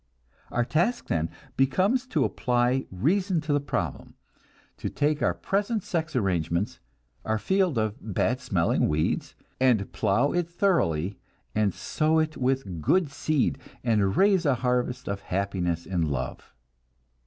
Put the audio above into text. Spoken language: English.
Our task then becomes to apply reason to the problem; to take our present sex arrangements, our field of bad smelling weeds, and plow it thoroughly, and sow it with good seed, and raise a harvest of happiness in love.